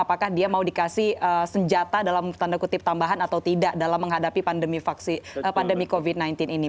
apakah dia mau dikasih senjata dalam tanda kutip tambahan atau tidak dalam menghadapi pandemi covid sembilan belas ini